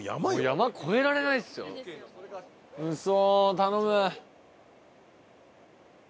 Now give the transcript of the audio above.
ウソ頼む！